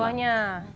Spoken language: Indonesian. oh ini dua nya